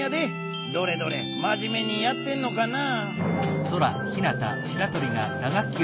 どれどれまじめにやってんのかな？